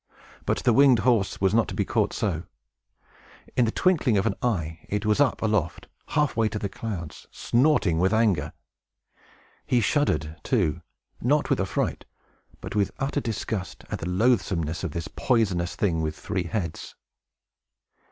But the winged horse was not to be caught so. In the twinkling of an eye he was up aloft, halfway to the clouds, snorting with anger. He shuddered, too, not with affright, but with utter disgust at the loathsomeness of this poisonous thing with three heads.